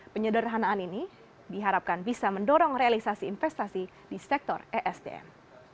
penyederhanaan ini diharapkan bisa mendorong realisasi investasi di sektor esdm